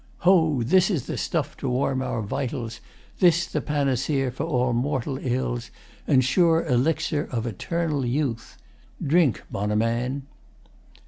] Ho! This is the stuff to warm our vitals, this The panacea for all mortal ills And sure elixir of eternal youth. Drink, bonniman!